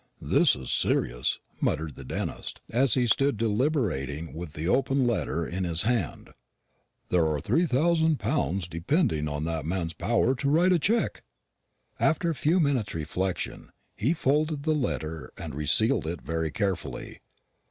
"This is serious," muttered the dentist, as he stood deliberating with the open letter in his hand; "there are three thousand pounds depending on that man's power to write a check!" After a few minutes' reflection, he folded the letter and resealed it very carefully.